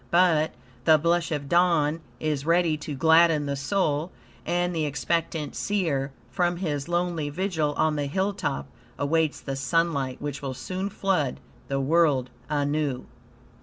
But, "the blush of dawn" is ready to gladden the soul, and the expectant seer, from his lonely vigil on the hilltop, awaits the sunlight which will soon flood the world anew.